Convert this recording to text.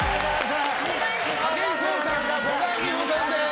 武井壮さん、古閑美保さんです。